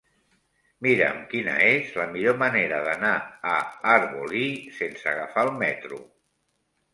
Mira'm quina és la millor manera d'anar a Arbolí sense agafar el metro.